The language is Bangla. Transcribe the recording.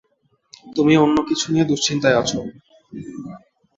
তুমি অন্য কিছু নিয়ে দুশ্চিন্তায় আছো।